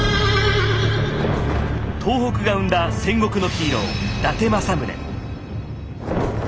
東北が生んだ戦国のヒーロー伊達政宗。